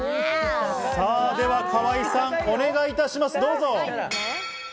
では河井さん、お願いいたします。